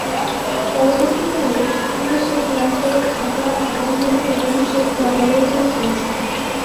পরবর্তীকালে, তিনি শেখ রাসেল, ঢাকা আবাহনী এবং শেখ জামালের হয়ে খেলেছেন।